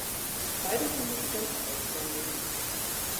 Beide sind nicht ganz vollständig.